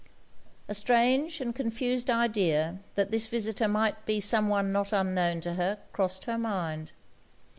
A strange and confused idea that this visitor might be some one not unknown to her, crossed her mind.